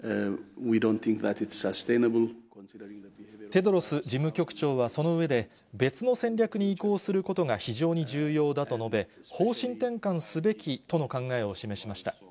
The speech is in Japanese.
テドロス事務局長は、その上で、別の戦略に移行することが非常に重要だと述べ、方針転換すべきとの考えを示しました。